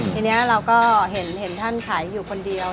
ทีนี้เราก็เห็นท่านขายอยู่คนเดียว